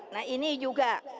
nah ini juga